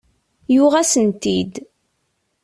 Yuɣ-asen-t-id.